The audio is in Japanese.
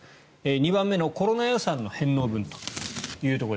２番目のコロナ予算の返納分というところ。